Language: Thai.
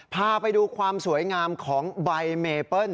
พาไปดูความสวยงามของใบเมเปิ้ล